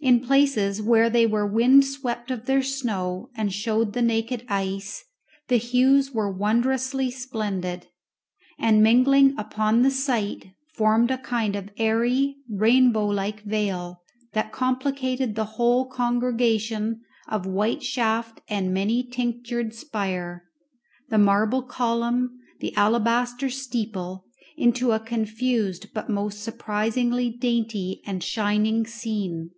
In places where they were wind swept of their snow and showed the naked ice, the hues were wondrously splendid, and, mingling upon the sight, formed a kind of airy, rainbow like veil that complicated the whole congregation of white shaft and many tinctured spire, the marble column, the alabaster steeple into a confused but most surprisingly dainty and shining scene.